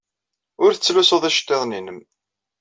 Ur tettlusud iceḍḍiḍen-nnem.